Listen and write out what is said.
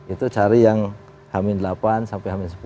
itu cari yang hamin delapan sampai hamin sepuluh